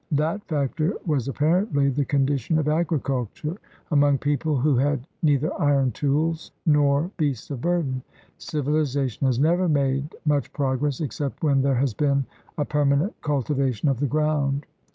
That factor was apparently the condition of agriculture among people who had neither iron tools nor beasts of burden. Civiliza tion has never made much progress except when there has been a permanent cultivation of the ground.